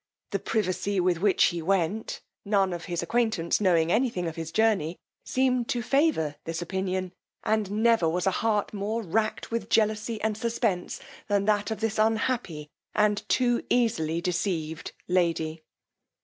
The privacy with which he went, none of his acquaintance knowing any thing of his journey, seemed to favour this opinion; and never was a heart more racked with jealousy and suspence, than that of this unhappy, and too easily deceived lady.